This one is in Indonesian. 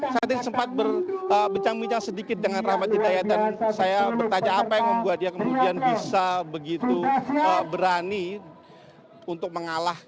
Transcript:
saya tadi sempat berbincang bincang sedikit dengan rahmat hidayat dan saya bertanya apa yang membuat dia kemudian bisa begitu berani untuk mengalahkan